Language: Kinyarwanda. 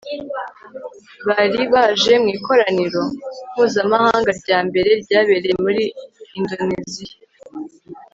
Bari baje mu ikoraniro mpuzamahanga rya mbere ryabereye muri Indoneziya